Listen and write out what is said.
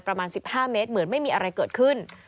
ประมาณ๑๕เมตรเหมือนไม่มีอะไรเกิดขึ้น